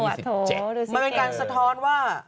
มันเป็นการสะท้อนว่า